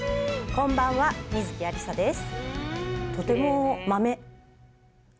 こんばんは観月ありさです